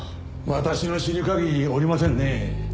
私の知る限りおりませんねぇ。